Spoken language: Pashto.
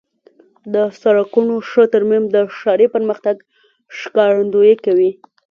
د سړکونو ښه ترمیم د ښاري پرمختګ ښکارندویي کوي.